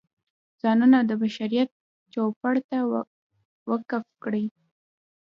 ځانونه د بشریت چوپړ ته وقف کړي.